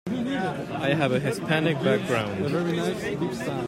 I have a Hispanic background